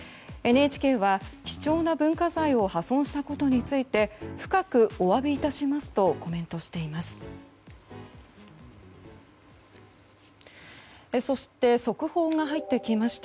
ＮＨＫは貴重な文化財を破損したことについて深くお詫びいたしますとコメントしています。